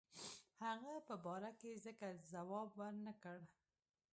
هغه په باره کې ځکه جواب ورنه کړ.